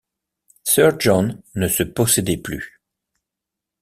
Sir John ne se possédait plus.